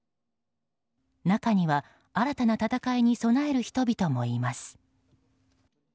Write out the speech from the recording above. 中には、新たな戦いに備える人々もいます。